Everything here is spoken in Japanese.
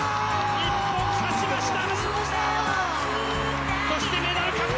日本勝ちました！